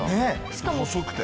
しかも細くて。